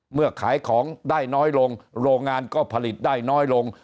ขายของได้น้อยลงโรงงานก็ผลิตได้น้อยลง